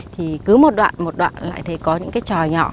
thì cứ một đoạn một đoạn lại thấy có những cái trò nhỏ